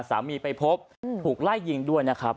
ไปพบถูกไล่ยิงด้วยนะครับ